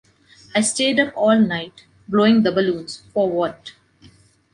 I stayed up all night, blowing the balloons. For what?